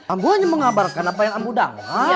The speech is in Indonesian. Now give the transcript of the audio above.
ambo hanya mengabarkan apa yang ambo dalam